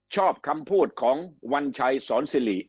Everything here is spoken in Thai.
ชอบคำพูดของวัญชัยสอนสิริ